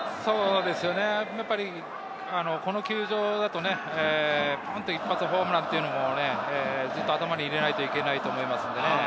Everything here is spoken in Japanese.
やっぱりこの球場だと一発ホームランというのもずっと頭に入れないといけないと思います。